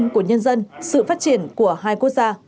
của hai quốc gia